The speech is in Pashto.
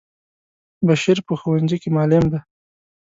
بشیر په ښونځی کی معلم دی.